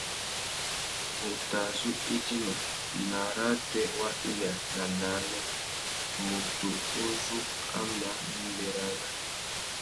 Ngu tà zú idjima; nà arrātê wa iya na nānê, mutu uzu a má nʼbérana.